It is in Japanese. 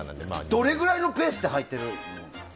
どれぐらいのペースで履いてる？